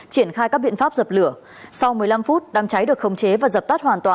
triển khai các biện pháp dập lửa